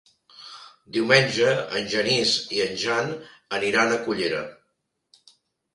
Diumenge en Genís i en Jan aniran a Cullera.